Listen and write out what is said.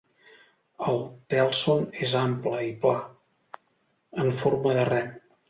El tèlson és ample i pla, en forma de rem.